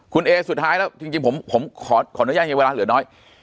คุณเอสุดท้ายแล้วจริงผมขออนุญาตในเวลาเหลือน้อย